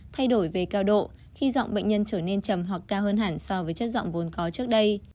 thay đổi về cao độ khi dọn bệnh nhân trở nên trầm hoặc cao hơn hẳn so với chất giọng vốn có trước đây